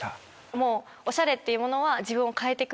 もうおしゃれっていうものは。